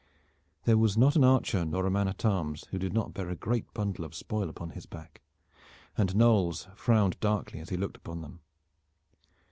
There was not an archer nor a man at arms who did not bear a great bundle of spoil upon his back, and Knolles frowned darkly as he looked upon them.